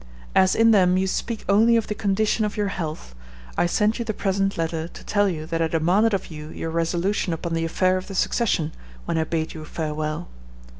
As in them you speak only of the condition of your health, I send you the present letter to tell you that I demanded of you your resolution upon the affair of the succession when I bade you farewell.